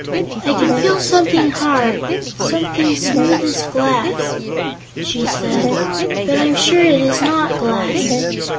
"I can feel something hard something smooth as glass," she said, "but I'm sure it is not glass."